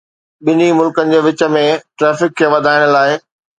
ٻنهي ملڪن جي وچ ۾ ٽرئفڪ کي وڌائڻ لاء.